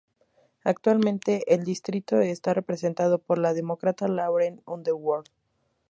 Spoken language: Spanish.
Actualmente el distrito está representado por la Demócrata Lauren Underwood.